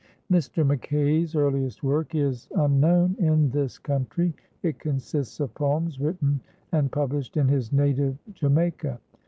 Mr. McKay's earliest work is unknown in this country. It consists of poems written and published in his native Jamaica.